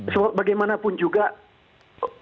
so bagaimanapun juga beliau itu kan termasuk